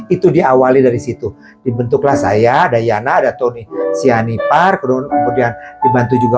itu diawali dari situ dibentuklah saya dayana ada tony siani park run kemudian dibantu juga